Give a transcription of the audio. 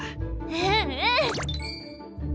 うんうん！